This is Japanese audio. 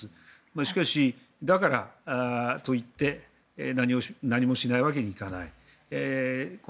しかし、だからといって何もしないわけにいかない。